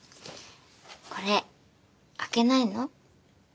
これ開けないの？